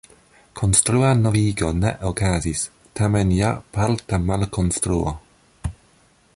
Konstrua novigo ne okazis, tamen ja parta malkonstruo.